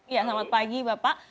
iya selamat pagi bapak